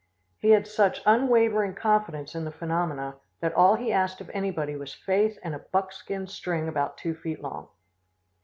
He had such unwavering confidence in the phenomena that all he asked of anybody was faith and a buckskin string about two feet long.